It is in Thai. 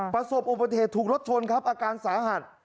ประสบอุบัติเหตุถูกรถชนครับอาการสาหัส